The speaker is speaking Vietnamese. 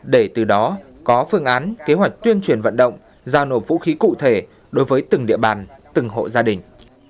để từ đó có phương án kế hoạch tuyên truyền vận động giao nổ vũ khí cụ thể đối với từng địa bàn từng hộ gia đình